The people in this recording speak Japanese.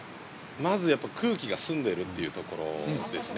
まずやっぱり空気が澄んでいるというところですね。